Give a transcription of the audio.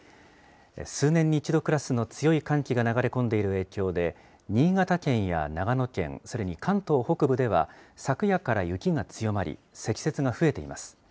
数年に一度クラスの強い寒気が流れ込んでいる影響で、新潟県や長野県、それに関東北部では、昨夜から雪が強まり、積雪が増えています。